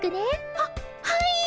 はっはい！